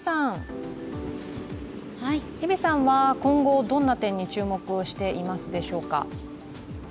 日比さんは今後どんな点に注目していますでしょうか。